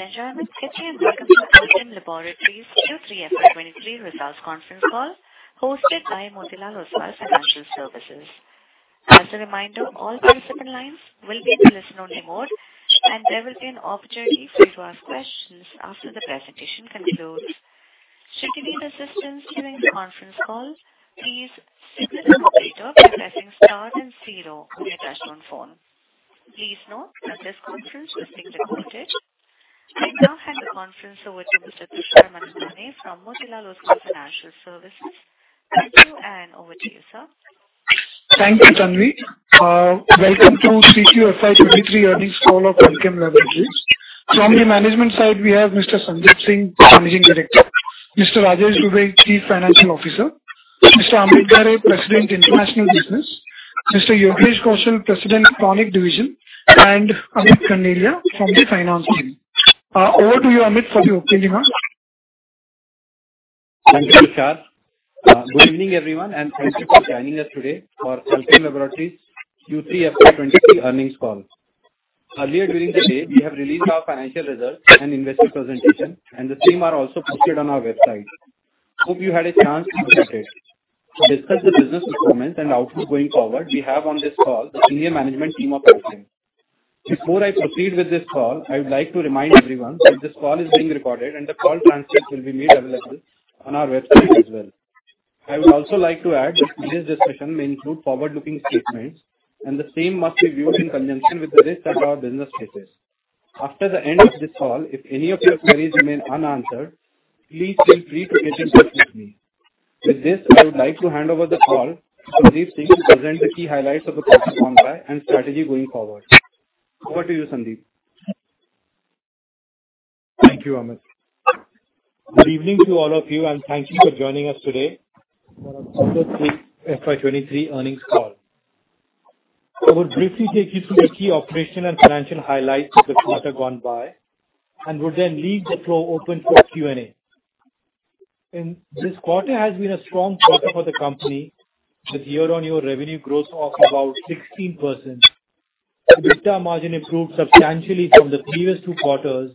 Ladies and gentlemen, thank you. Welcome to Alkem Laboratories Q3 FY 2023 results conference call hosted by Motilal Oswal Financial Services. As a reminder, all participant lines will be in a listen-only mode. There will be an opportunity for you to ask questions after the presentation concludes. Should you need assistance during the conference call, please signal an operator by pressing star 0 on your touchtone phone. Please note that this conference is being recorded. I now hand the conference over to Mr. Tushar Manudhane from Motilal Oswal Financial Services. Thank you. Over to you, sir. Thank you, Tanvi. Welcome to Q3 FY 2023 earnings call of Alkem Laboratories. From the management side we have Mr. Sandeep Singh, Managing Director, Mr. Rajesh Dubey, Chief Financial Officer, Mr. Amit Ghare, President, International Business, Mr. Yogesh Kaushal, President, Chronic Division, and Amit Khandelia from the finance team. Over to you, Amit, for the opening remarks. Thank you, Tushar. Good evening, everyone, thank you for joining us today for Alkem Laboratories Q3 FY 2023 earnings call. Earlier during the day, we have released our financial results and investor presentation, the same are also posted on our website. Hope you had a chance to look at it. To discuss the business performance and outlook going forward, we have on this call the senior management team of Alkem. Before I proceed with this call, I would like to remind everyone that this call is being recorded, the call transcript will be made available on our website as well. I would also like to add that today's discussion may include forward-looking statements, the same must be viewed in conjunction with the risks of our business thesis. After the end of this call, if any of your queries remain unanswered, please feel free to get in touch with me. With this, I would like to hand over the call to Sandeep Singh to present the key highlights of the quarter gone by and strategy going forward. Over to you, Sandeep. Thank you, Amit. Good evening to all of you, and thank you for joining us today for our Q3 FY 2023 earnings call. I will briefly take you through the key operational and financial highlights of the quarter gone by and will then leave the floor open for Q&A. This quarter has been a strong quarter for the company with year-over-year revenue growth of about 16%. EBITDA margin improved substantially from the previous two quarters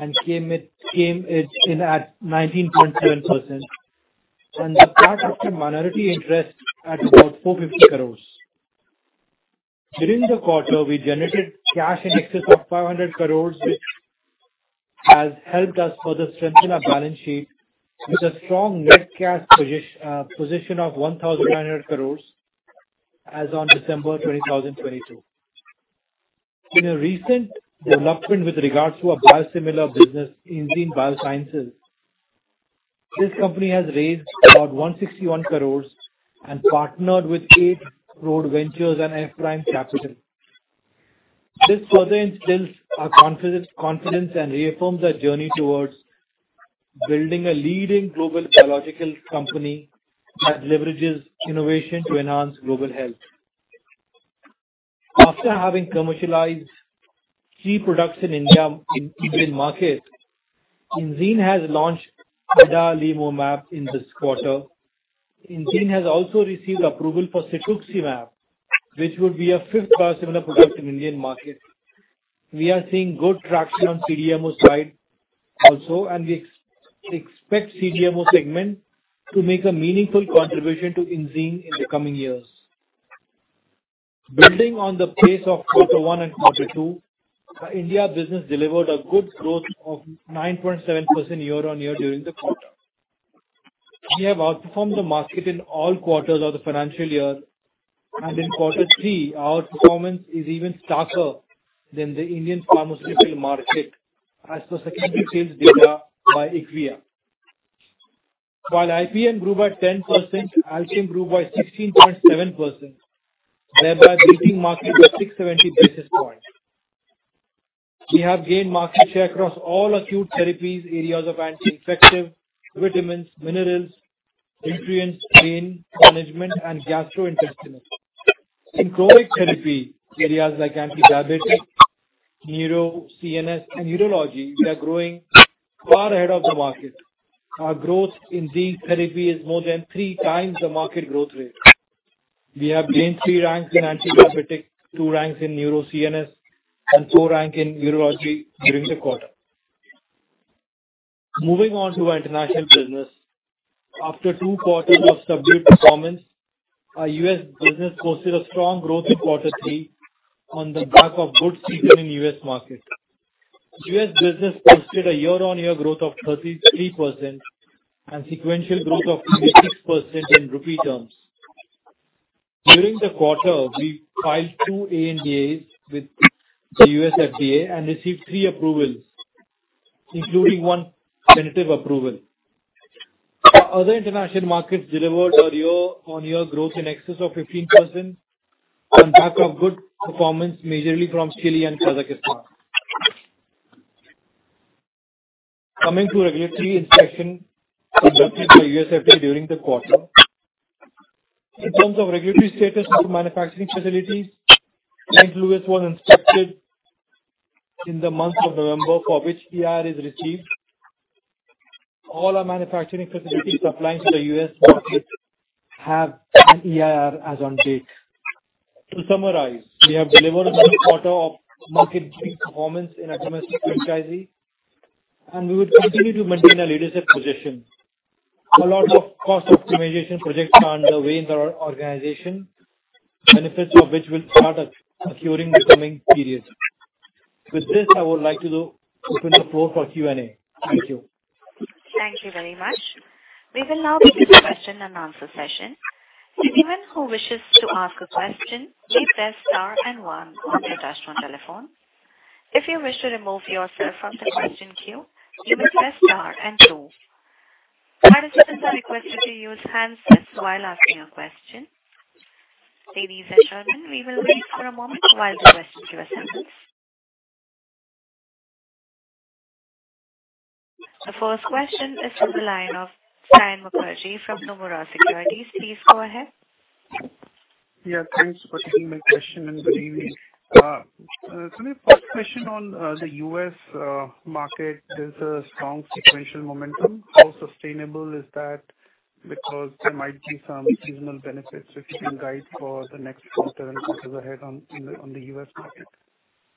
and came in at 19.7% and the profit after minority interest at about 450 crores. During the quarter, I generated cash in excess of 500 crores, which has helped us further strengthen our balance sheet with a strong net cash position of 1,900 crores as on December 2022. In a recent development with regards to our biosimilar business, Enzene Biosciences, this company has raised about 161 crores and partnered with Eight Roads Ventures and F-Prime Capital. This further instills our confidence and reaffirms our journey towards building a leading global biological company that leverages innovation to enhance global health. After having commercialized key products in India in Indian market, Enzene has launched adalimumab in this quarter. Enzene has also received approval for cetuximab, which will be our fifth biosimilar product in Indian market. We are seeing good traction on CDMO side also, and we expect CDMO segment to make a meaningful contribution to Enzene in the coming years. Building on the pace of quarter one and quarter two, our India business delivered a good growth of 9.7% year-on-year during the quarter. We have outperformed the market in all quarters of the financial year. In quarter three, our performance is even stronger than the Indian pharmaceutical market as per secondary sales data by IQVIA. While IPM grew by 10%, Alkem grew by 16.7%, thereby beating market by 670 basis points. We have gained market share across all acute therapies, areas of anti-infective, vitamins, minerals, nutrients, pain management, and gastrointestinal. In chronic therapy areas like anti-diabetes, neuro, CNS, and urology, we are growing far ahead of the market. Our growth in these therapy is more than 3x the market growth rate. We have gained three ranks in anti-diabetic, two ranks in neuro CNS, and four rank in urology during the quarter. Moving on to our international business. After two quarters of subdued performance, our US business posted a strong growth in quarter three on the back of good season in US market. US business posted a year-on-year growth of 33% and sequential growth of 26% in rupee terms. During the quarter, we filed two ANDAs with the US FDA and received three approvals, including one tentative approval. Our other international markets delivered a year-on-year growth in excess of 15% on back of good performance, majorly from Chile and Kazakhstan. Coming to regulatory inspection conducted by US FDA during the quarter. In terms of regulatory status of the manufacturing facilities, St. Louis was inspected in the month of November, for which EIR is received. All our manufacturing facilities supplying to the US market have an EIR as on date. To summarize, we have delivered another quarter of market-leading performance in our domestic franchise, and we will continue to maintain a leadership position. A lot of cost optimization projects are underway in our organization, benefits of which will start accruing the coming periods. With this, I would like to open the floor for Q&A. Thank you. Thank you very much. We will now begin the question-and-answer session. Anyone who wishes to ask a question, please press star and one on your touchtone telephone. If you wish to remove yourself from the question queue, you may press star and two. Participants are requested to use handsets while asking a question. Ladies and gentlemen, we will wait for a moment while the questions are sent in. The first question is from the line of Saion Mukherjee from Nomura Securities. Please go ahead. Thanks for taking my question and good evening. My first question on the U.S. market, there's a strong sequential momentum. How sustainable is that? Because there might be some seasonal benefits if you can guide for the next quarter and quarters ahead on the U.S. market.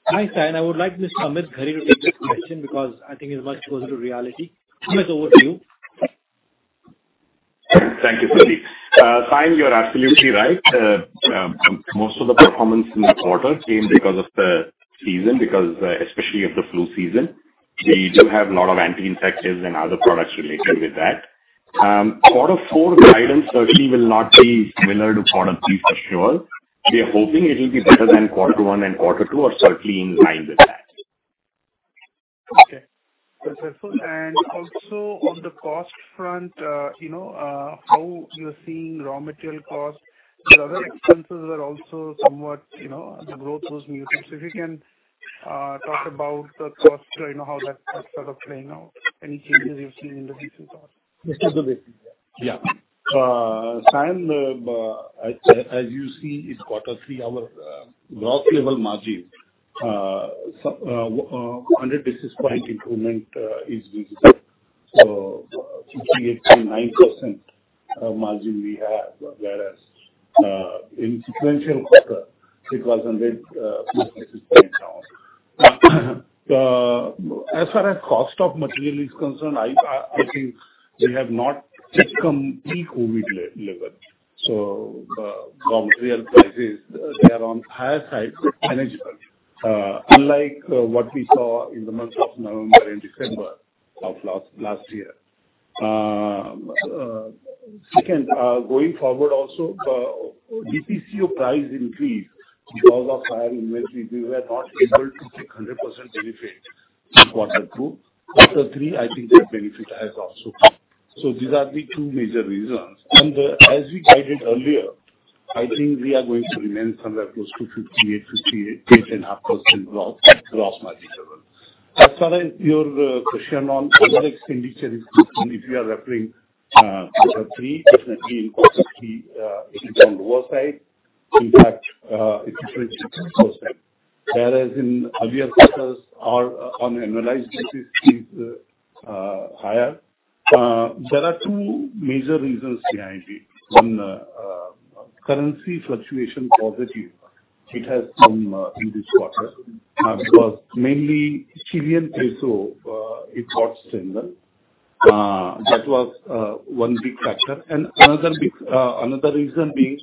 Hi, Saion. I would like Mr. Amit Ghare to take this question because I think he's much closer to reality. Amit, over to you. Thank you, Sandeep. Saion, you're absolutely right. Most of the performance in the quarter came because of the season, because especially of the flu season. We do have a lot of anti-infectives and other products related with that. Quarter four guidance certainly will not be similar to quarter three for sure. We are hoping it'll be better than quarter one and quarter two or certainly in line with that. Okay. That's helpful. Also on the cost front, you know, how you're seeing raw material costs and other expenses are also somewhat, you know, the growth was muted. If you can, talk about the cost, you know, how that's sort of playing out, any changes you've seen in the recent past. Mr. Dubey Saion, as you see, it's quarter three. Our gross level margin, sub 100 basis point improvement, is visible. 58.9% margin we have whereas in sequential quarter it was 100 basis points down. As far as cost of material is concerned, I think we have not yet come peak COVID level. Raw material prices, they are on higher side but manageable, unlike what we saw in the months of November and December of last year. Second, going forward also, DPCO price increase because of higher inventory, we were not able to take 100% benefit in quarter two. Quarter three, I think that benefit has also come. These are the two major reasons. As we guided earlier, I think we are going to remain somewhere close to 58.5 % gross margin level. As far as your question on other expenditure is concerned, if you are referring quarter three, definitely in quarter three, it is on lower side. In fact, it's 13%. Whereas in earlier quarters, on annualized basis it's higher. There are two major reasons behind it. One, currency fluctuation positive, it has come in this quarter. Because mainly Chilean peso, it got stronger. That was one big factor. Another reason being,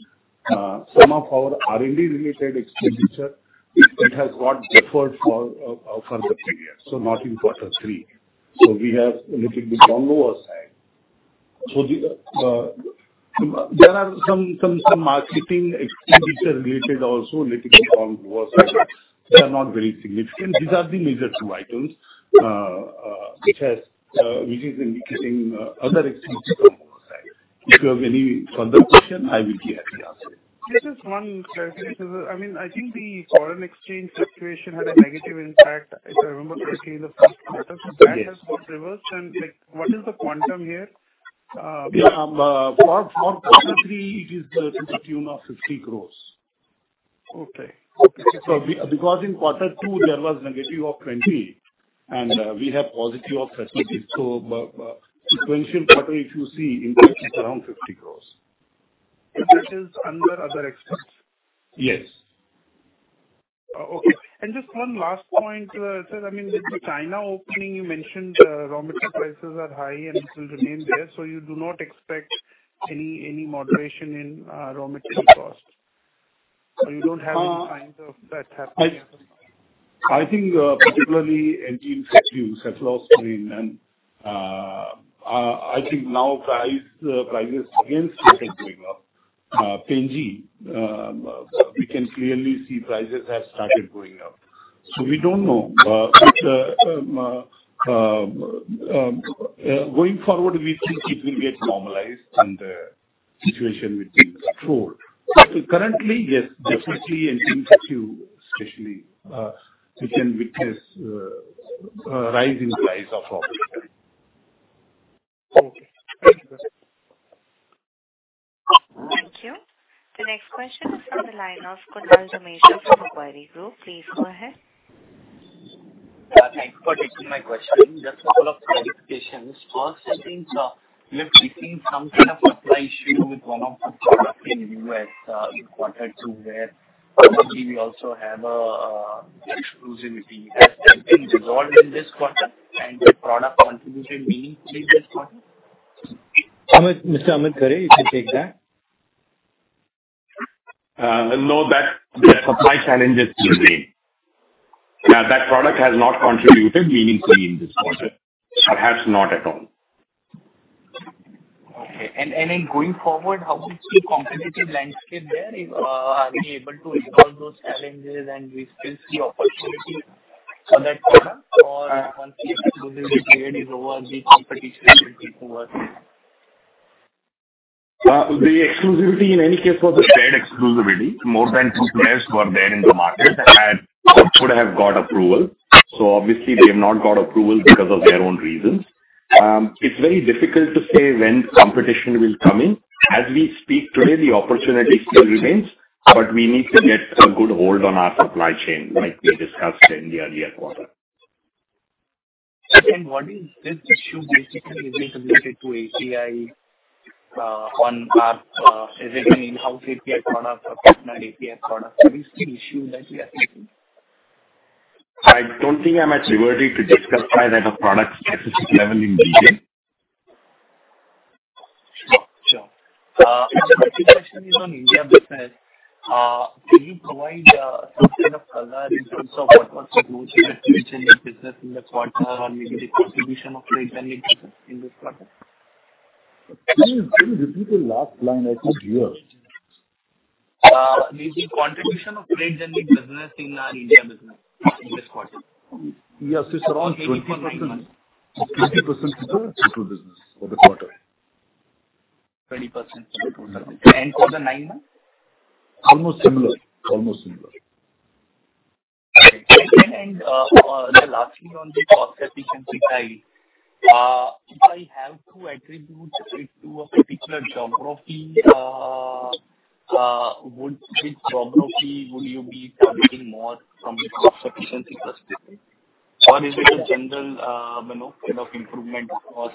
some of our R&D-related expenditure, it has got deferred for the period, so not in quarter three. We have a little bit on lower side. The, there are some marketing expenditure related also little bit on lower side. They are not very significant. These are the major two items. Which has which is increasing other expenses on lower side. If you have any further question, I will be happy to answer it. Just one clarification, sir. I mean, I think the foreign exchange fluctuation had a negative impact, if I remember correctly, in the first quarter. Yes. That has got reversed. Like, what is the quantum here? Yeah. For quarter three it is to the tune of 50 crores. Okay. Because in quarter two there was -20 and we have +30. Sequential quarter if you see, impact is around 50 crores. That is under other expense? Yes. Okay. Just one last point, sir. I mean, with the China opening, you mentioned, raw material prices are high and it will remain there, so you do not expect any moderation in raw material costs? You don't have any signs of that happening? I think, particularly anti-infectives, Aceclofenac and, I think now price, prices again started going up. Pen-G, we can clearly see prices have started going up. We don't know. Going forward we think it will get normalized and, situation will be in control. Currently, yes, definitely anti-infective especially, we can witness, rise in price of raw material. Okay. Question is from the line of Kunal Dhamesha from Macquarie. Please go ahead. Thank you for taking my question. Just a couple of clarifications. First, I think, you're facing some kind of supply issue with one of the products in U.S., in quarter two, where possibly we also have a exclusivity. Has that been resolved in this quarter and the product contributed meaningfully this quarter? Amit, Mr. Amit Ghare, you can take that. No, the supply challenges remain. That product has not contributed meaningfully in this quarter. Perhaps not at all. Okay. In going forward, how is the competitive landscape there? If, are we able to resolve those challenges and we still see opportunity for that product or once the exclusivity period is over, the competition will be too worse? The exclusivity in any case was a fair exclusivity. More than two players were there in the market and could have got approval. Obviously they have not got approval because of their own reasons. It's very difficult to say when competition will come in. As we speak today, the opportunity still remains, but we need to get a good hold on our supply chain like we discussed in the earlier quarter. What is this issue basically? Is it related to API, is it an in-house API product or partnered API product? What is the issue that we are facing? I don't think I'm at liberty to discuss by that a product-specific level in detail. Sure. Sure. My second question is on India business. Can you provide some kind of color in terms of what was the growth situation in the business in the quarter or maybe the contribution of rate-generating business in this quarter? Can you repeat the last line? I couldn't hear. The contribution of rate-generating business in our India business in this quarter. Yes. It's around 20%. Maybe for nine months. 20% of the total business for the quarter. 20%. 20%. For the nine months? Almost similar. Right. Lastly on the cost efficiency side, if I have to attribute it to a particular geography, which geography would you be targeting more from the cost efficiency perspective? Or is it a general, you know, kind of improvement across?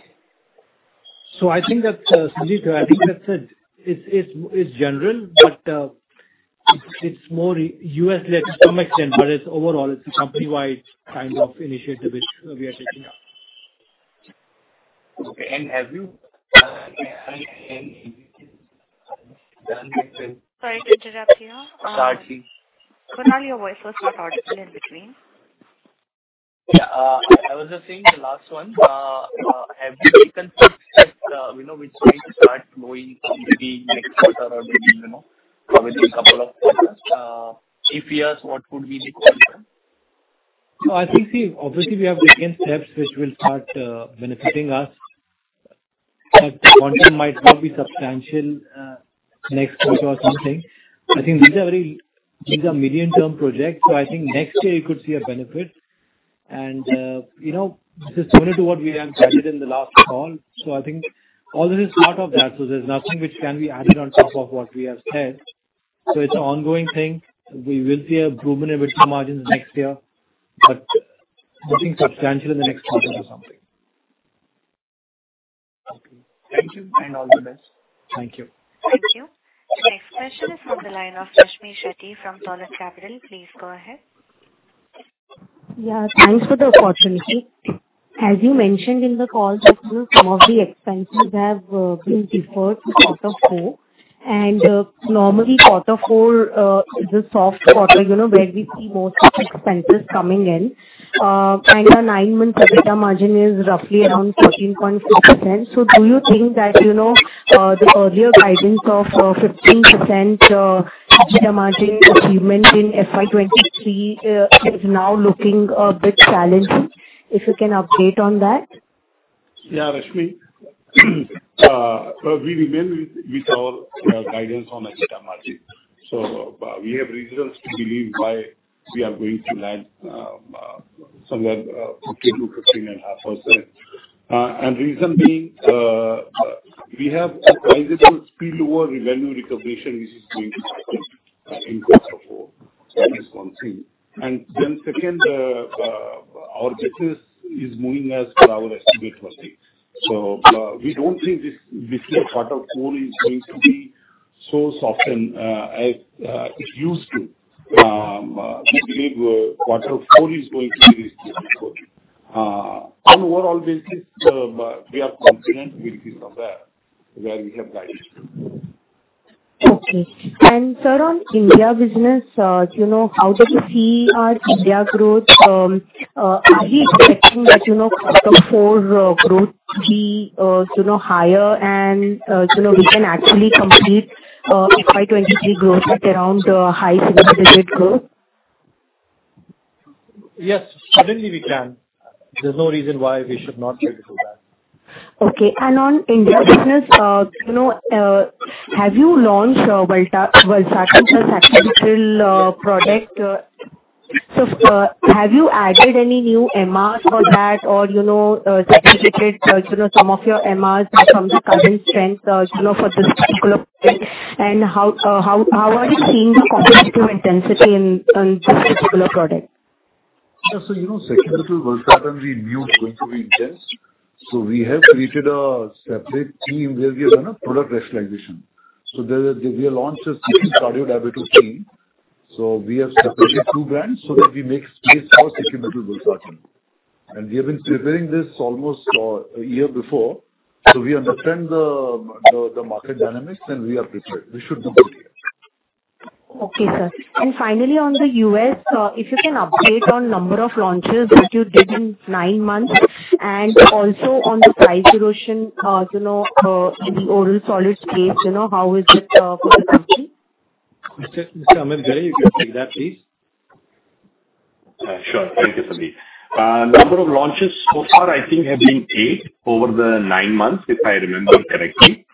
I think that, Sajid, I think that's it. It's general, but, it's more U.S.-led to some extent, but it's overall it's a company-wide kind of initiative which we are taking up. Okay. have you, any Sorry to interrupt you. Sorry. Kunal, your voice was not audible in between. I was just saying the last one. Have you taken steps that, you know, which may start flowing through maybe next quarter or maybe, you know, probably couple of quarters, if yes, what could be the quantum? No, I think obviously we have taken steps which will start benefiting us, but the quantum might not be substantial next quarter or something. I think these are million-term projects, so I think next year you could see a benefit. You know, this is similar to what we have guided in the last call. I think all it is part of that, so there's nothing which can be added on top of what we have said. It's an ongoing thing. We will see improvement in EBITDA margin next year, but nothing substantial in the next quarter or something. Okay. Thank you and all the best. Thank you. Thank you. Next question is on the line of Rashmi Shetty from Dolat Capital. Please go ahead. Yeah, thanks for the opportunity. As you mentioned in the call that some of the expenses have been deferred to quarter four. Normally quarter four is a soft quarter, you know, where we see most of the expenses coming in. The nine-month EBITDA margin is roughly around 13.6%. Do you think that, you know, the earlier guidance of 15% EBITDA margin achievement in FY 2023 is now looking a bit challenging? If you can update on that. Yeah, Rashmi. We remain with our guidance on EBITDA margin. We have reasons to believe why we are going to land somewhere 14%-15.5%. Reason being, we have a visible pre-lower revenue recognition which is going to happen in quarter four. That is one thing. Second, our business is moving as per our estimate for things. We don't think this year quarter four is going to be so soften as it used to. We believe quarter four is going to be reasonably good. On overall basis, we are confident we'll be somewhere where we have guided. Okay. sir, on India business, you know, how do you see our India growth? Are we expecting that, you know, quarter four growth be, you know, higher and, you know, we can actually complete FY 2023 growth at around high single-digit growth? Yes. Certainly we can. There's no reason why we should not be able to do that. Okay. On India business, you know, have you launched Valsartan plus hydrochlorothiazide product? Have you added any new MRs for that or, you know, segregated, you know, some of your MRs from the current trends, you know, for this particular? How are you seeing the competitive intensity in, on this particular product? Yeah. You know, Sacubitril Valsartan is new, going to be intense. We have created a separate team where we have done a product rationalization. There we have launched a CP Cardio Diabetes team. We have separated two brands so that we make space for Sacubitril Valsartan. We have been preparing this almost for a year before, so we understand the, the market dynamics, and we are prepared. We should do good here. Okay, sir. Finally, on the US, if you can update on number of launches that you did in nine months and also on the price erosion, you know, in the oral solid space, you know, how is it for the country? Mr. Amit Ghare, you can take that, please. Sure. Thank you, Sandeep. number of launches so far I think have been eight over the nine months, if I remember correctly.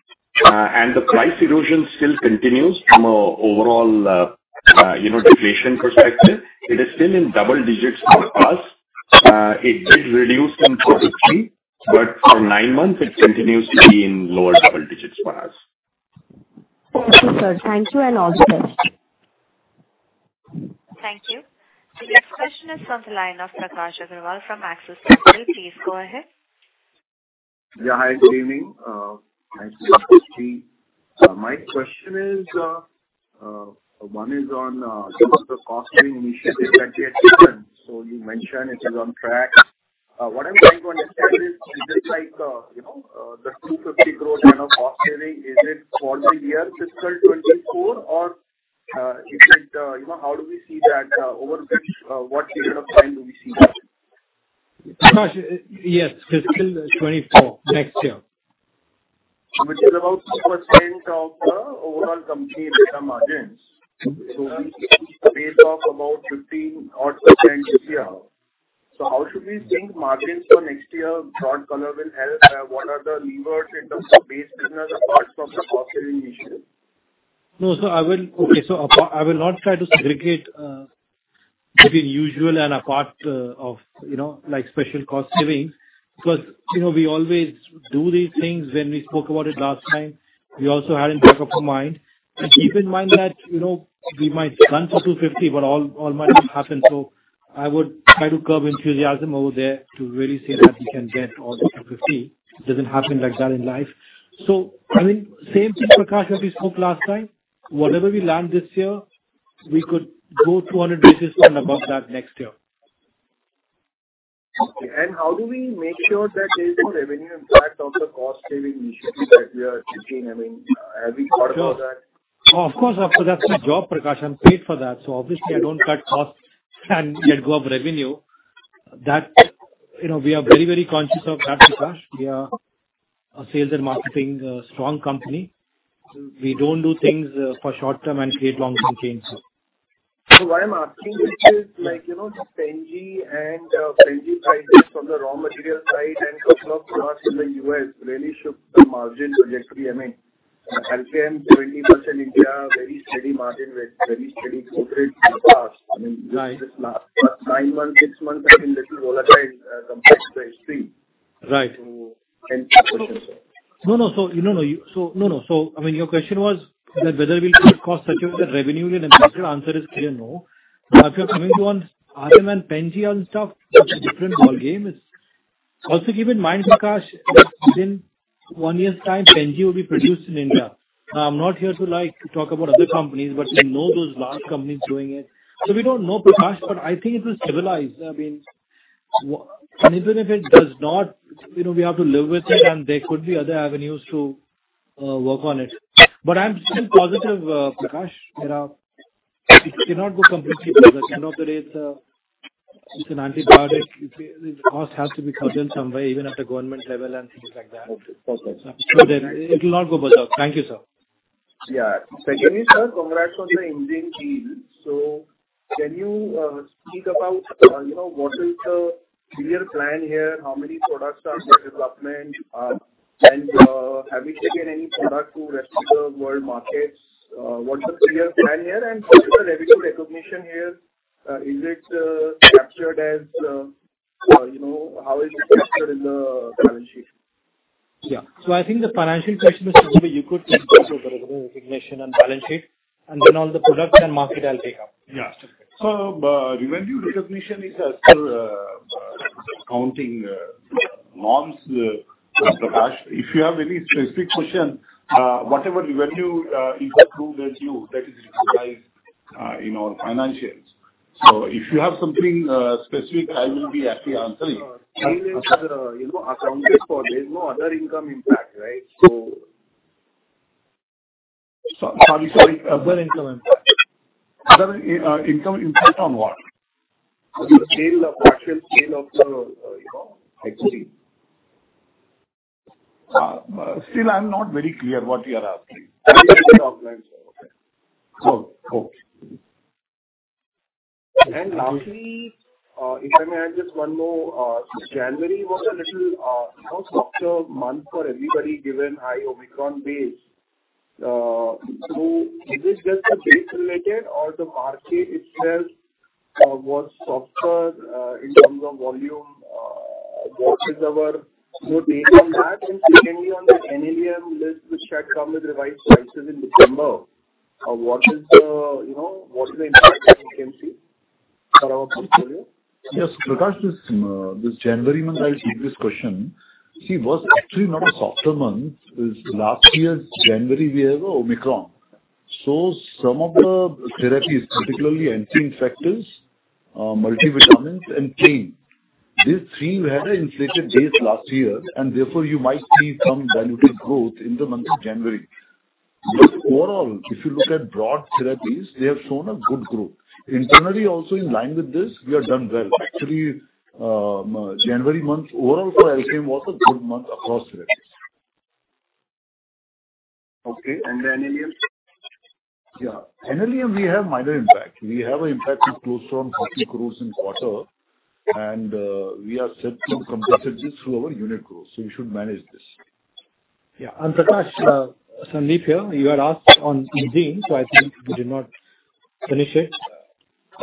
The price erosion still continues from a overall, you know, deflation perspective. It is still in double digits for us. It did reduce from 43%, but for nine months it continues to be in lower double digits for us. Okay, sir. Thank you and all the best. Thank you. The next question is from the line of Prakash Agarwal from Axis Capital. Please go ahead. Yeah, hi, good evening. My question is, one is on, some of the cost-saving initiatives that you had taken. You mentioned it is on track. What I'm trying to understand is it like, you know, the 250 crore kind of cost saving, is it for the year FY 2024 or, is it, you know, how do we see that, over which, what period of time do we see that? Prakash, yes, fiscal 2024. Next year. Which is about 2% of the overall company EBITDA margins. We base off about 15 odd percent this year. How should we think margins for next year broad color will help? What are the levers in terms of base business apart from the cost-saving initiative? No. I will... Okay. Apart, I will not try to segregate, between usual and apart, of, you know, like special cost savings, because, you know, we always do these things. When we spoke about it last time, we also had in back of our mind. Keep in mind that, you know, we might run to 250, but all might not happen. I would try to curb enthusiasm over there to really say that we can get all the 250. It doesn't happen like that in life. I think same thing, Prakash, that we spoke last time. Whatever we land this year, we could grow 200 basis and above that next year. Okay. How do we make sure that there is no revenue impact of the cost-saving initiatives that we are taking? I mean, have you thought about that? Oh, of course. Of course. That's my job, Prakash. I'm paid for that. Obviously I don't cut costs and let go of revenue. That, you know, we are very, very conscious of that, Prakash. We are a sales and marketing strong company. We don't do things for short term and create long-term changes. Why I'm asking this is like, you know, the Pen G and Pen G prices from the raw material side and some of the loss in the US really shook the margin trajectory. I mean, Halpion 20% India, very steady margin with very steady corporate in the past. Right. This last nine months, six months have been little volatile in comparison to history. Right. Hence the question, sir. No, no. No, no. I mean, your question was that whether we'll cut costs such that revenue, and the answer is clear no. If you're coming to on RM and Pen G and stuff, that's a different ballgame. Also keep in mind, Prakash, that within one year's time Pen G will be produced in India. I'm not here to, like, talk about other companies, but we know those large companies doing it. We don't know, Prakash, but I think it will stabilize. I mean, and even if it does not, you know, we have to live with it and there could be other avenues to work on it. I'm still positive, Prakash, you know, it cannot go completely without. You know, the rate, it's an antibiotic. The cost has to be cut down some way, even at the government level and things like that. Okay. Possible. I'm sure that it will not go berserk. Thank you, sir. Yeah. Secondly, sir, congrats on the Indian team. Can you speak about, you know, what is the career plan here? How many products are in development? And have you taken any product to rest of the world markets? What's the career plan here? And what is the revenue recognition here? Is it captured as, you know, how is it captured in the balance sheet? Yeah. I think the financial question, Mr. Dubey, you could take this over, revenue recognition and balance sheet, then on the products and market I'll take up. Yeah. Revenue recognition is still accounting norms, Prakash. If you have any specific question, whatever revenue is approved as you, that is recognized in our financials. If you have something specific, I will be happy answering. Sure. Change in the, you know, account base or there's no other income impact, right? So... Sorry. Other income impact. Other income impact on what? Actual scale of the, you know, equity. Still I'm not very clear what you're asking. I'll read the document. Okay. Cool. Cool. Lastly, if I may add just one more. January was a little, you know, softer month for everybody given high Omicron waves. So is it just the base related or the market itself was softer in terms of volume? What is our view based on that? Secondly, on the NLEM list which had come with revised prices in December, what is the, you know, what is the impact that we can see for our portfolio? Prakash, this January month, I'll take this question. It was actually not a softer month. This last year's January we had the Omicron. Some of the therapies, particularly anti-infectives, multivitamins and pain, these three we had an inflated base last year and therefore you might see some diluted growth in the month of January. Overall, if you look at broad therapies, they have shown a good growth. Internally also in line with this, we have done well. Actually, January month overall for Alkem was a good month across therapies. Okay, the NLEM? Yeah. NLEM we have minor impact. We have an impact of close to 40 crores in quarter. We are certain to compensate this through our unit growth. We should manage this. Yeah. Prakash, Sandeep here. You had asked on Enzene, so I think we did not finish it.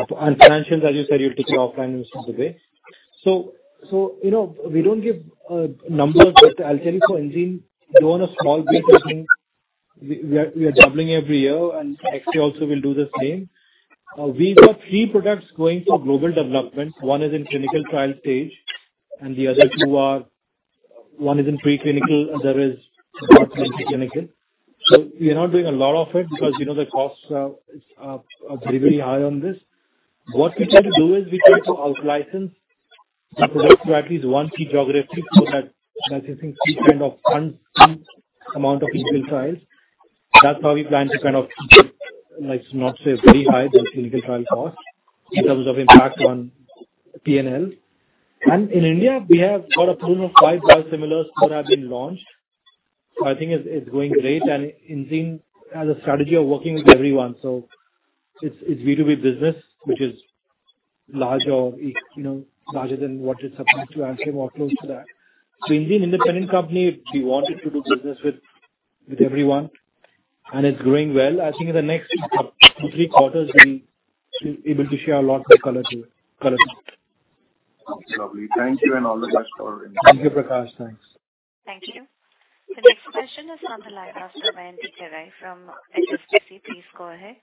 Financials, as you said, you'll take it offline and send it there. You know, we don't give numbers, but I'll tell you for Enzene, we own a small business. We are doubling every year, and next year also we'll do the same. We've got three products going for global development. One is in clinical trial stage. One is in pre-clinical, the other is about to enter clinical. We are not doing a lot of it because, you know, the costs are very, very high on this. What we try to do is we try to out-license the product to at least one key geography so that that is in key kind of fun-front amount of clinical trials. That's how we plan to kind of keep it, like, not say very high those clinical trial costs in terms of impact on P&L. In India, we have got a pool of 5 biosimilars that have been launched. I think it's going great and Enzene has a strategy of working with everyone. It's B2B business, which is larger, you know, larger than what it's up to Alkem or close to that. Enzene, independent company, we wanted to do business with everyone and it's growing well. I think in the next two quarters-three quarters we'll be able to share a lot more color to you. Okay. Lovely. Thank you and all the best for Enzene. Thank you, Prakash. Thanks. Thank you. The next question is on the line from Damayanti Kerai from HSBC. Please go ahead.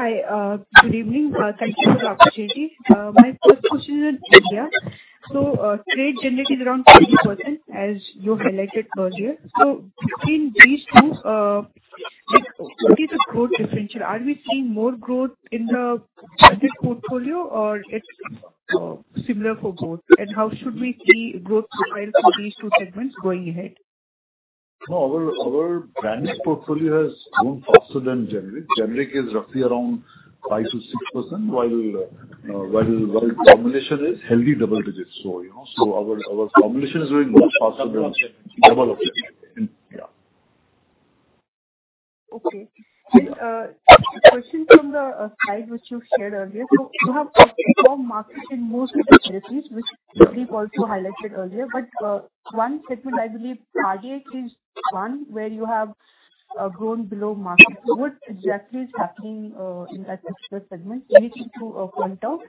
Hi. Good evening. Thank you for the opportunity. My first question is on India. Trade generated around 20% as you highlighted earlier. Between these two, like, what is the growth differential? Are we seeing more growth in the branded portfolio or it's similar for both? How should we see growth profile for these two segments going ahead? No, our branded portfolio has grown faster than generic. Generic is roughly around 5%-6% while combination is healthy double digits. you know, so our combination is growing much faster than generic. Yeah. Question from the slide which you shared earlier. You have outperformed markets in most of the therapies, which Sandeep also highlighted earlier. One segment I believe, cardiac is one where you have grown below market. What exactly is happening in that particular segment? Anything to point out?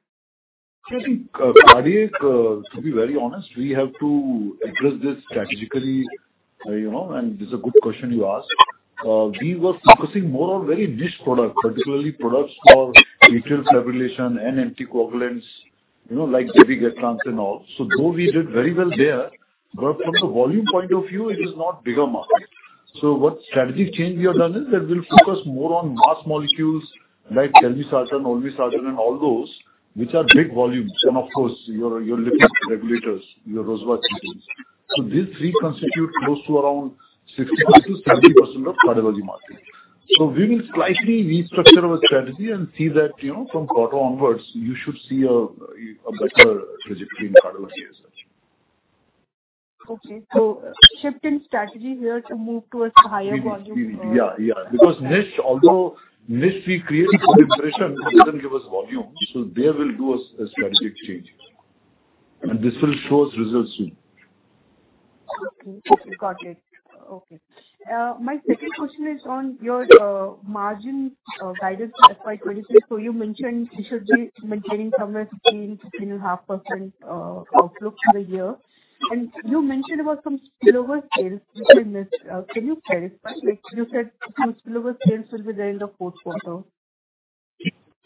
I think, cardiac, to be very honest, we have to address this strategically, you know, this is a good question you ask. We were focusing more on very niche products, particularly products for atrial fibrillation and anticoagulants, you know, like dabigatran and all. Though we did very well there, from the volume point of view, it is not bigger market. What strategic change we have done is that we'll focus more on mass molecules like telmisartan, olmesartan and all those, which are big volumes, and of course your lipid regulators, your Rosuvastatin. These three constitute close to around 60%-70% of cardiology market. We will slightly restructure our strategy and see that, you know, from quarter onwards you should see a better trajectory in cardiology as such. Okay. Shift in strategy here to move towards the higher volume products. Yeah. Because niche, although niche we create good impression, it doesn't give us volume. There we'll do a strategic change and this will show us results soon. Okay. Got it. Okay. My second question is on your margin guidance for FY 2023. You mentioned you should be maintaining somewhere between 15% to 15.5% outlook for the year. You mentioned about some spillover sales between this. Can you clarify? Like, you said some spillover sales will be there in the fourth quarter.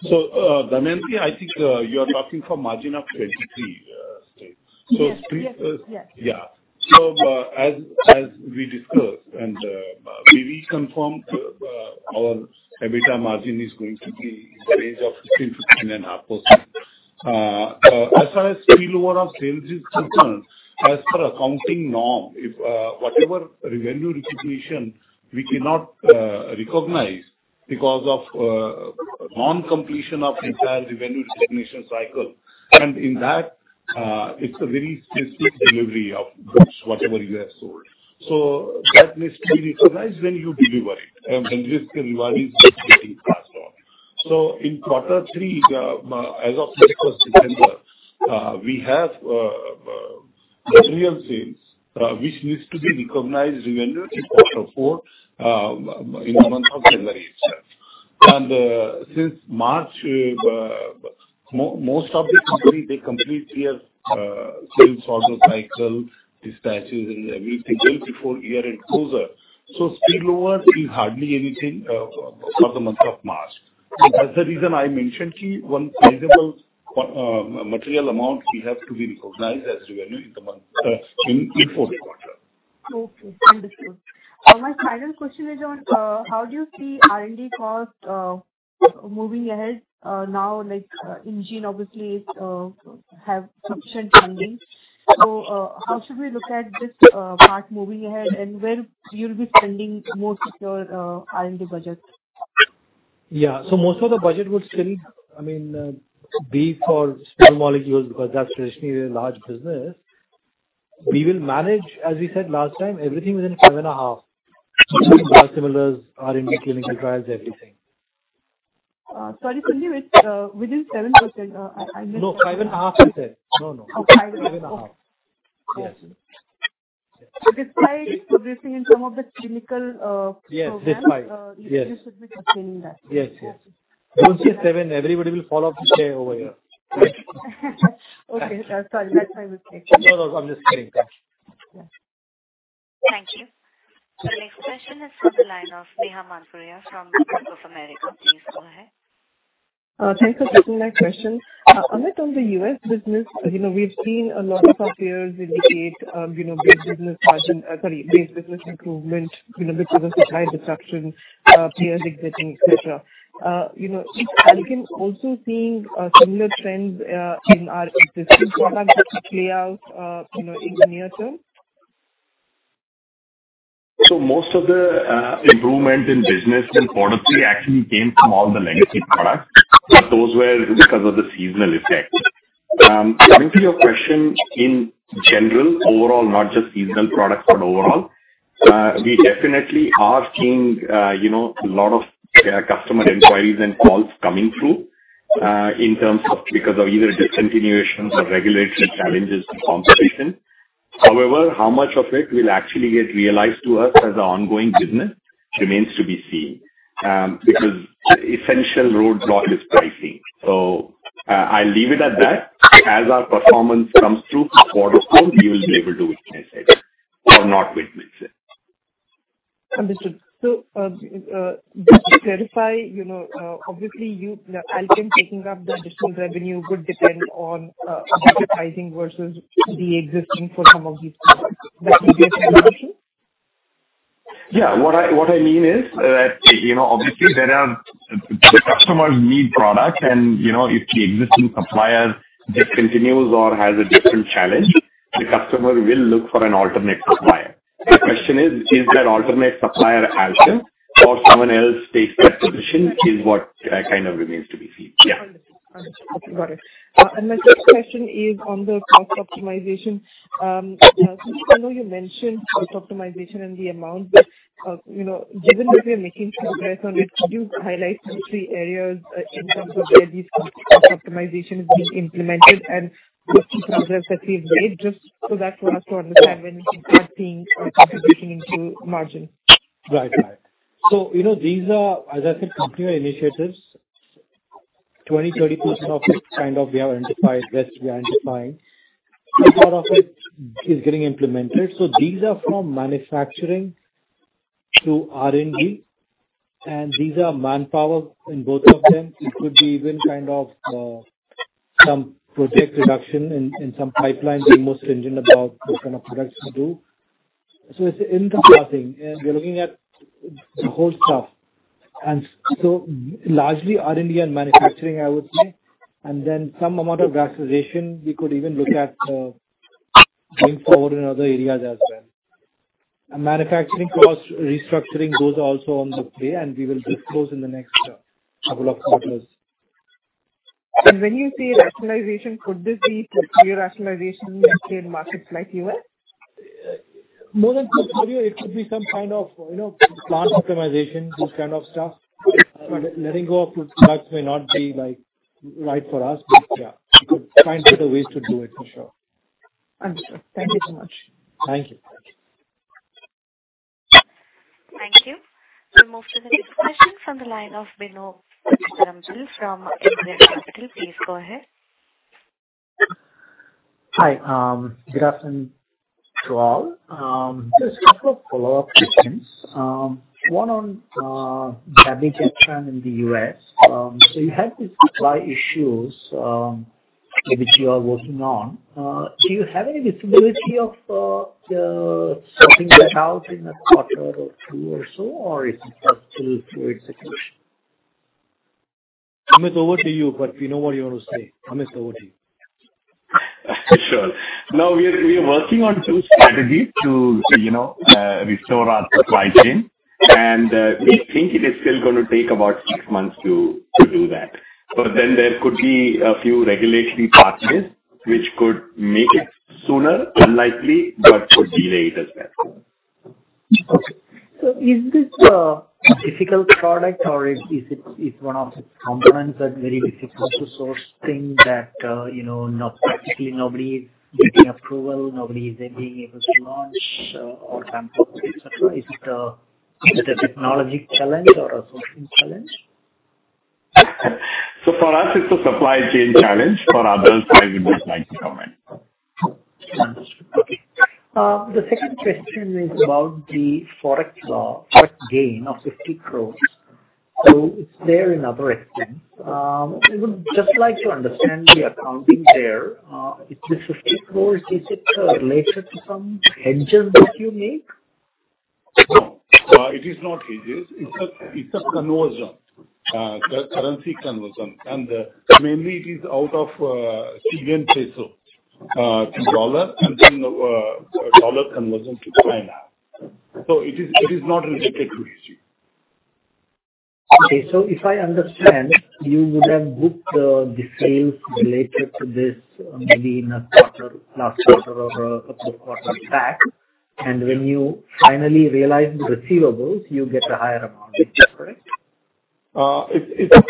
Damayanti, I think, you're talking from margin of FY 2023, state. Yes. Yes. Yeah. As we discussed and we reconfirm, our EBITDA margin is going to be in the range of 15%-15.5%. As far as spillover of sales is concerned, as per accounting norm, if whatever revenue recognition we cannot recognize because of non-completion of entire revenue recognition cycle, and in that, it's a very specific delivery of goods, whatever you have sold. That needs to be recognized when you deliver it and the risk and reward is associated with that. In quarter three, as of 31st September, we have material sales, which needs to be recognized revenue in quarter four, in the month of January itself. Since March, most of the company, they complete their sales order cycle, dispatches and everything before year end closure. Speedload is hardly anything for the month of March. That's the reason I mentioned 1 sizable material amount will have to be recognized as revenue in Q4. Okay. Understood. My final question is on how do you see R&D cost moving ahead? Now, like, Enzene obviously is have sufficient funding. How should we look at this part moving ahead, and where you'll be spending most of your R&D budget? Most of the budget would still, I mean, be for small molecules because that's traditionally a large business. We will manage, as we said last time, everything within 7.5%, including biosimilars, R&D, clinical trials, everything. Sorry, Sandeep. Within 7%. No, 5.5%. No, no. Okay. 5.5%. 5.5%. Yes. Despite progressing in some of the clinical programs. Yes, despite. Yes. you should be sustaining that. Yes. Don't say seven, everybody will follow up to share over here. Okay. Sorry. That's why I was saying. No, no. I'm just kidding. Yeah. Thank you. The next question is from the line of Neha Manpuria from Bank of America. Please go ahead. Thanks for taking my question. Amit, on the U.S. business, you know, we've seen a lot of our peers indicate, you know, great business improvement, you know, because of supply disruptions, peers exiting, et cetera. You know, is Alkem also seeing similar trends in our existing products which play out, you know, in the near term? Most of the improvement in business in quarter three actually came from all the legacy products, but those were because of the seasonal effect. Coming to your question, in general, overall, not just seasonal products, but overall, we definitely are seeing, you know, a lot of customer inquiries and calls coming through in terms of because of either discontinuations or regulatory challenges and competition. However, how much of it will actually get realized to us as ongoing business remains to be seen, because essential roadblocks is pricing. I'll leave it at that. As our performance comes through for quarter four, we will be able to witness it or not witness it. Understood. Just to clarify, obviously Alkem taking up the additional revenue could depend on repricing versus the existing for some of these products. That would be a fair assumption? Yeah. What I mean is that, you know, obviously there are. The customers need product. You know, if the existing supplier discontinues or has a different challenge, the customer will look for an alternate supplier. The question is that alternate supplier Alkem or someone else takes that position is what kind of remains to be seen. Yeah. Understood. Understood. Got it. My third question is on the cost optimization. Sandeep, I know you mentioned cost optimization and the amount, you know, given that you're making progress on it, could you highlight the three areas, in terms of where this cost optimization is being implemented and the key progress that we've made, just so that for us to understand when it could be adding or contributing into margin. Right. Right. You know, these are, as I said, computer initiatives. 20%, 30% of it kind of we have identified, rest we are identifying. A lot of it is getting implemented. These are from manufacturing to R&D, and these are manpower in both of them. It could be even kind of, some project reduction in some pipelines. We're most stringent about what kind of products to do. It's an inter-crossing, and we're looking at the whole stuff. Largely R&D and manufacturing, I would say. Then some amount of rationalization we could even look at, going forward in other areas as well. A manufacturing cost restructuring goes also on the play, and we will disclose in the next, couple of quarters. When you say rationalization, could this be, like, re-rationalization in markets like US? It could be some kind of, you know, plant optimization, those kind of stuff. Letting go of good products may not be, like, right for us. Yeah, we could find better ways to do it for sure. Understood. Thank you so much. Thank you. Thank you. We'll move to the next question from the line of Binod Ramji from Emkay Capital. Please go ahead. Hi. Good afternoon to all. Just a couple of follow-up questions. One on Dabigatran in the US. You have these supply issues, which you are working on. Do you have any visibility of sorting that out in a quarter two or so, or is it still through execution? Amit, over to you. Binod, what you want to say? Amit, over to you. Sure. We're working on two strategies to, you know, restore our supply chain. We think it is still going to take about 6 months to do that. There could be a few regulatory pathways which could make it sooner, unlikely, but could delay it as well. Okay. Is this a difficult product or is it one of the components that's very difficult to source, thing that, you know, not practically nobody is getting approval, nobody is then being able to launch, or samples, et cetera? Is it a technology challenge or a sourcing challenge? For us it's a supply chain challenge. For others, I would not like to comment. Understood. Okay. The second question is about the Forex gain of 50 crore. It's there in other expense. We would just like to understand the accounting there. Is this INR 50 crore, is it related to some hedges that you make? No. It is not hedges. It's a currency conversion. mainly it is out of Chilean peso to dollar conversion to Thai baht. it is not related to hedging. Okay. If I understand, you would have booked, the sales related to this maybe in a quarter, last quarter or, the quarter back, when you finally realize the receivables, you get a higher amount. Is that correct? It's a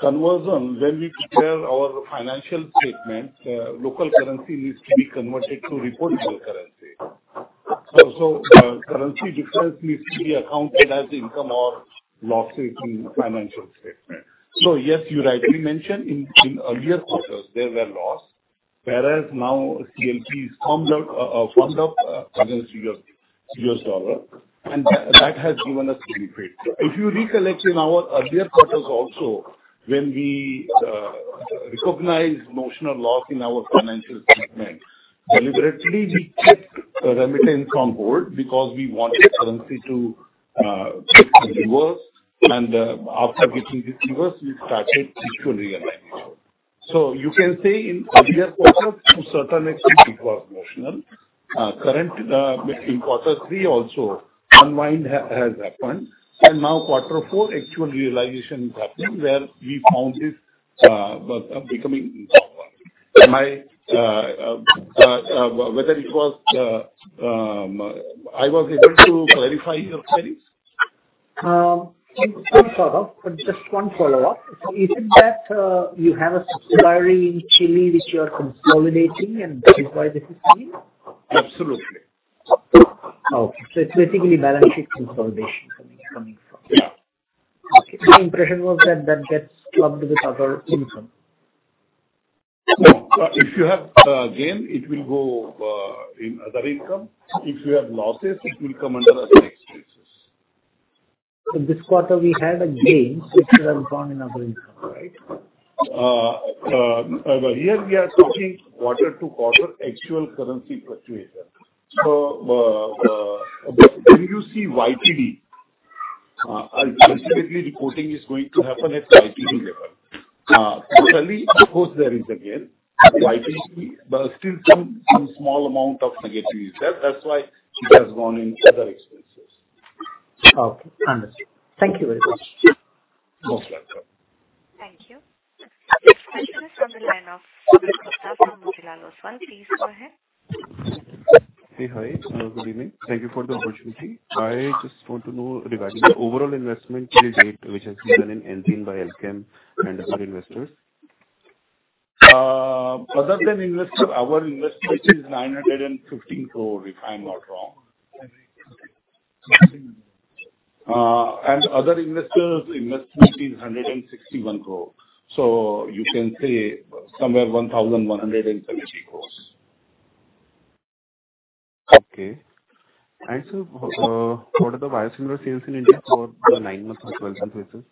conversion. When we prepare our financial statements, local currency needs to be converted to reporting currency. Currency difference needs to be accounted as income or losses in financial statement. Yes, you rightly mentioned in earlier quarters there were loss, whereas now CLP is firmed up, firmed up against US dollar, and that has given us benefit. If you recollect in our earlier quarters also, when we recognized notional loss in our financial statement, deliberately we kept the remittance on hold because we wanted currency to get reversed. After getting reversed, we started actual realization. You can say in earlier quarter to a certain extent it was notional. Current in quarter three also unwind has happened. Now Q4 actual realization is happening where we found it becoming profitable. Am I whether it was I was able to clarify your queries? Just one follow-up. Is it that, you have a subsidiary in Chile which you are consolidating and that is why this is seen? Absolutely. Okay. It's basically balance sheet consolidation coming from. Yeah. My impression was that that gets clubbed with the other income. No. If you have gain, it will go in other income. If you have losses, it will come under other expenses. In this quarter we have a gain which has gone in other income, right? Here we are talking quarter-to-quarter actual currency fluctuation. When you see YTD, ultimately reporting is going to happen at YTD level. Quarterly of course there is a gain. YTD there are still some small amount of negativity is there, that's why it has gone in other expenses. Okay. Understood. Thank You very much. Most welcome. Thank you. Next question is on the line of Sumit Gupta from Motilal Oswal. Please go ahead. Hey. Hi. Good evening. Thank you for the opportunity. I just want to know regarding the overall investment till date, which has been done in Enzene by Alkem and other investors. Other than investor, our investment is 915 crore, if I'm not wrong. 915. Other investors invest 1,961 crore. You can say somewhere 1,170 crores. Okay. sir, what are the biosimilar sales in India for the nine months of 12 months basis?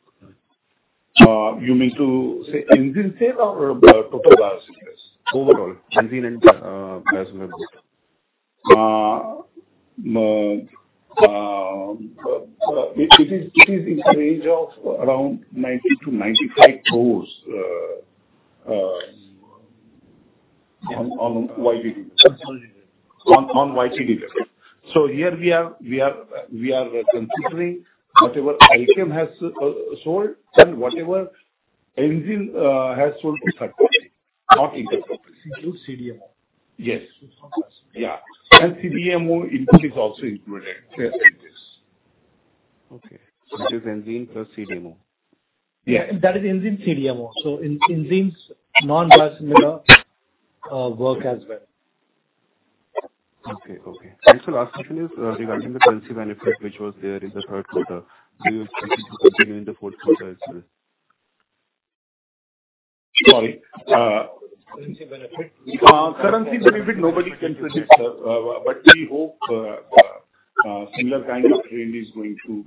you mean to say Enzene sale or total biosimilars? Overall, Enzene and biosimilars. It is in the range of around 90 crores-95 crores on YTD. On YTD. On YTD. Here we are considering whatever Alkem has sold and whatever Enzene has sold to third party, not intercompany. It includes CDMO. Yes. It's not just Yeah. CDMO input is also included here in this. Okay. It is Enzene plus CDMO. Yes. That is Enzene CDMO. Enzene's non-biosimilar work as well. Okay. Okay. Sir, last question is, regarding the currency benefit which was there in the third quarter. Do you expect it to continue in the fourth quarter as well? Sorry. Currency benefit. Currency benefit nobody can predict, sir. We hope, similar kind of trend is going to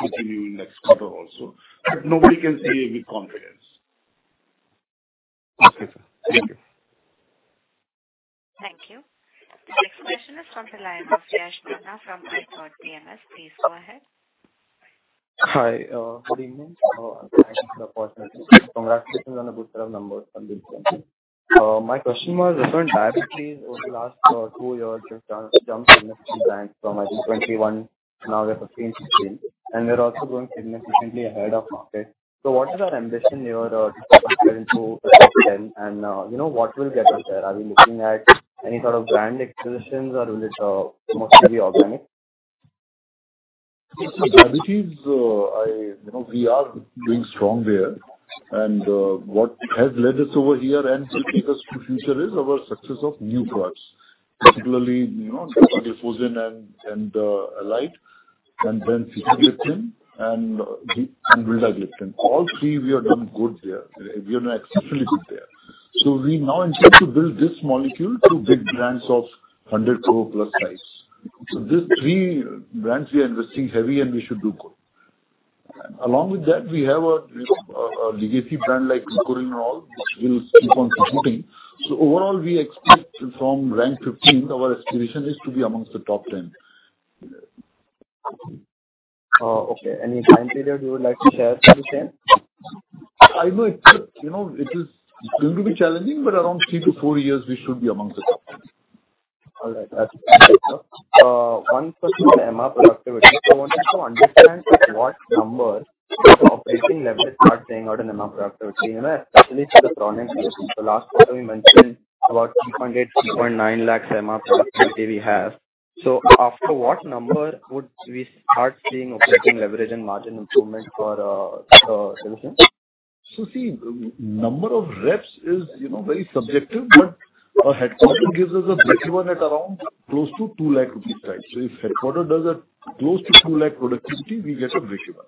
continue in next quarter also. Nobody can say with confidence. Okay, sir. Thank you. Thank you. Next question is on the line of Yash Tanna from Third PMS. Please go ahead. Hi. good evening. Thank you for the opportunity. Congratulations on a good set of numbers from this quarter. My question was around diabetes. Over the last two years it's jumped significantly from, I think, 21, now they're 15, 16. They're also growing significantly ahead of market. What is our ambition here to get into the top 10? You know, what will get us there? Are we looking at any sort of brand acquisitions or will it mostly be organic? This is, you know, we are doing strong there. What has led us over here and will take us to future is our success of new products, particularly, you know, dapagliflozin and Alyd, and then sitagliptin and vildagliptin. All three we have done good there. We have done exceptionally good there. We now intend to build this molecule to big brands of 100 crore plus size. These three brands we are investing heavy and we should do good. Along with that, we have a, you know, a legacy brand like Gliclazide which will keep on competing. Overall, we expect from rank 15, our aspiration is to be amongst the top 10. Oh, okay. Any time period you would like to share for the same? I know it's, you know, it is going to be challenging, but around three-four years we should be amongst the top 10. All right. That's one question on MR productivity. I wanted to understand at what number the operating leverage starts paying out in MR productivity. You know, establish the parameters. Last quarter you mentioned about 3.8 lakh-3.9 lakh MR productivity we have. After what number would we start seeing operating leverage and margin improvement for? See, number of reps is, you know, very subjective, but a headquarter gives us a breakeven at around close to 2 lakh rupees size. If headquarter does a close to 2 lakh productivity, we get a breakeven.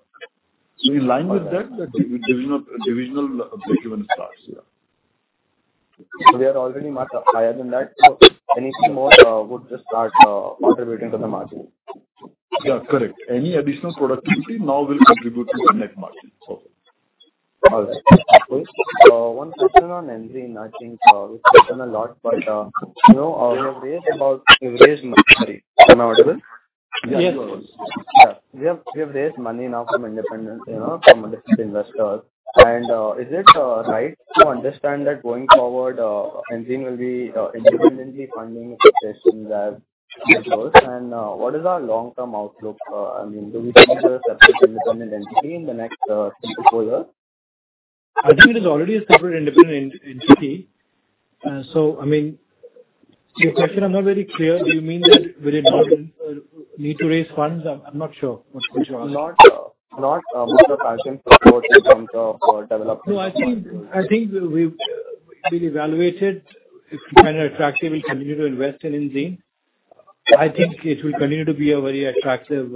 In line with that, the divisional breakeven starts, yeah. We are already much higher than that. Anything more would just start contributing to the margin. Yeah, correct. Any additional productivity now will contribute to the net margin. Okay. All right. One question on Enzene. I think, we've spoken a lot, but, you know, we've raised money, right? Am I audible? Yes. Yeah. We have raised money now from independent, you know, from listed investors. Is it right to understand that going forward, Enzene will be independently funding its sessions as well? What is our long-term outlook? I mean, do we see it as a separate independent entity in the next three to four years? I think it is already a separate independent entity. I mean, your question I'm not very clear. Do you mean that will it need to raise funds? I'm not sure what you're saying. Not will the parent support in terms of development. No, I think we've evaluated if it's kind of attractive, we continue to invest in Enzene. I think it will continue to be a very attractive,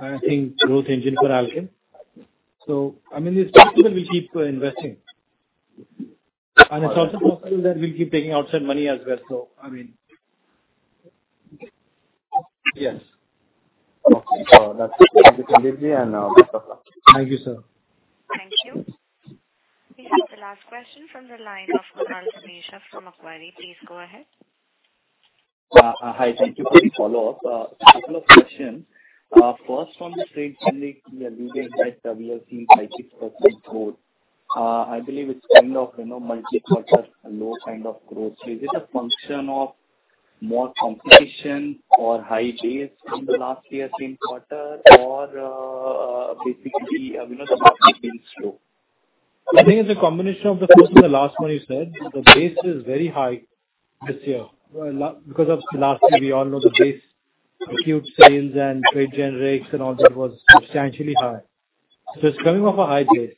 I think growth engine for Alkem. I mean, it's possible we'll keep investing. It's also possible that we'll keep taking outside money as well. I mean... Yes. Okay. That's it from me, Sandeep and Thank you, sir. Thank you. This is the last question from the line of Kunal Dhamesha from Macquarie. Please go ahead. Hi. Thank you. Just a follow-up. Couple of questions. First on the trade generic, we are losing like double or 3%, 5%, 6% growth. I believe it's kind of, you know, multi-quarter low kind of growth. Is it a function of more competition or high base from the last three quarter or, basically, you know, the market being slow? I think it's a combination of the first and the last one you said. The base is very high this year. Well, because of last year, we all know the base, acute sales and trade generics and all that was substantially high. It's coming off a high base.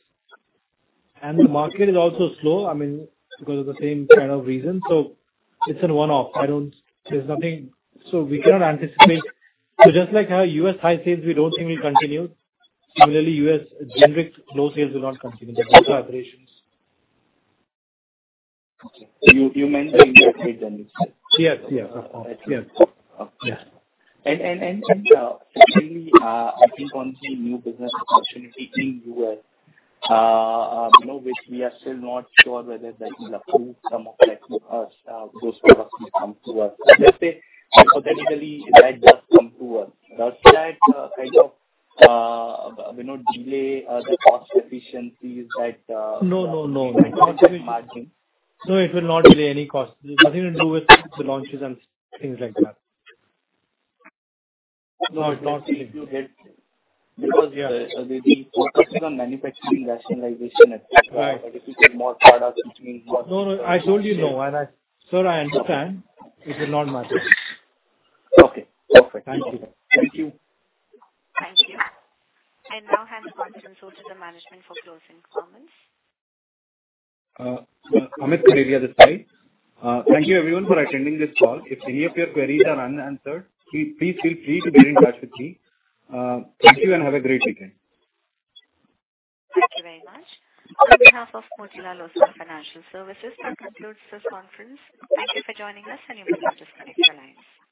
The market is also slow, I mean, because of the same kind of reason. It's an one-off. I don't. There's nothing. We cannot anticipate. Just like how U.S. high sales we don't think will continue, similarly U.S. generic low sales will not continue. They're both aberrations. Okay. you mentioned the trade generic. Yes, yes. Of course. Yes. Okay. Secondly, I think on the new business opportunity in U.S., you know, which we are still not sure whether that is approved, some of that, those products will come to us. Let's say hypothetically that does come to us. Does that kind of, you know, delay, the cost efficiencies that. No, no. impact the margin? No, it will not delay any cost. It's nothing to do with the launches and things like that. No, it won't. If you Yeah. They'll be focusing on manufacturing rationalization at this point. Right. If you get more products, which means more- No, no. I told you no. Sir, I understand. It will not matter. Okay. Perfect. Thank you. Thank you. Thank you. I now hand over the consult to the management for closing comments. Amit here this side. Thank you everyone for attending this call. If any of your queries are unanswered, please feel free to be in touch with me. Thank you and have a great weekend. Thank you very much. On behalf of Motilal Oswal Financial Services, that concludes this conference. Thank you for joining us, and you may now disconnect your lines.